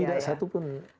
tidak satu pun ekspire